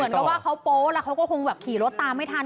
เหมือนกับว่าเขาโป๊แล้วเขาก็คงแบบขี่รถตามไม่ทัน